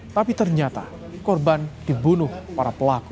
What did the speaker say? tapi ternyata korban dibunuh para pelaku